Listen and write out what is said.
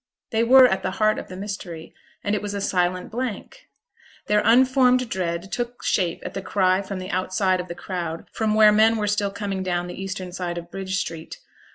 They were at the heart of the mystery, and it was a silent blank! Their unformed dread took shape at the cry from the outside of the crowd, from where men were still coming down the eastern side of Bridge Street.